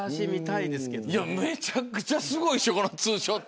めちゃくちゃすごいでしょこのツーショット。